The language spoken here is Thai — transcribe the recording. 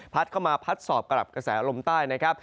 เข้ามาพัดสอบกับกระแสลมใต้นะครับ